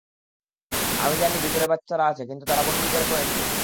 আমি জানি ভিতরে বাচ্চারা আছে, কিন্তু তারা বন্দুকের পয়েন্টে।